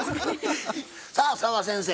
さあ澤先生